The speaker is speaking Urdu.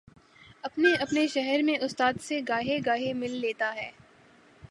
اپنے اپنے شہر میں استاد سے گاہے گاہے مل لیتا ہے۔